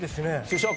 主食。